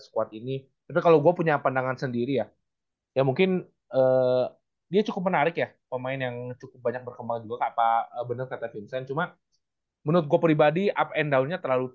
kayaknya udah masuk gitu